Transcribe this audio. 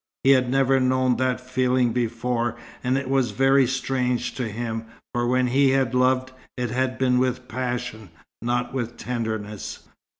He had never known that feeling before, and it was very strange to him; for when he had loved, it had been with passion, not with tenderness.